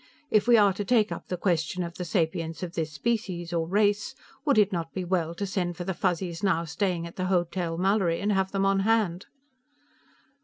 "If we are to take up the question of the sapience of this species, or race, would it not be well to send for the Fuzzies now staying at the Hotel Mallory and have them on hand?"